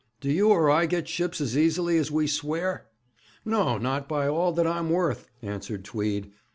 Do you or I get ships as easily as we swear?' 'No, not by all that I'm worth!' answered Tweed.